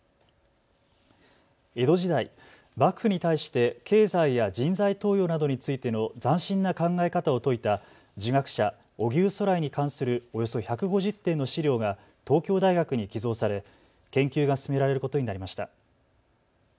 江戸時代、幕府に対して経済や人材登用などについての斬新な考え方を説いた儒学者、荻生徂徠に関するおよそ１５０点の資料が東京大学に寄贈され研究が進められることになりました。